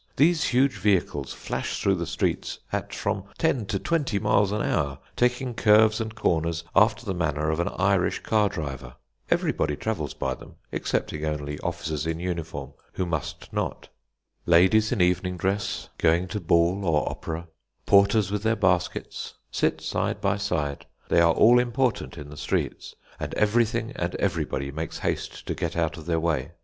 These huge vehicles flash through the streets at from ten to twenty miles an hour, taking curves and corners after the manner of an Irish car driver. Everybody travels by them, excepting only officers in uniform, who must not. Ladies in evening dress, going to ball or opera, porters with their baskets, sit side by side. They are all important in the streets, and everything and everybody makes haste to get out of their way.